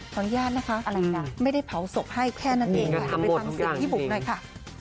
ขออนุญาตนะคะไม่ได้เผาศพให้แค่นั้นเองไปฟังสิทธิบุ๋มหน่อยค่ะ